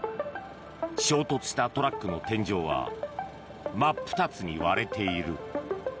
衝突したトラックの天井は真っ二つに割れている。